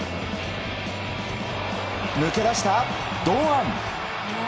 抜け出した堂安。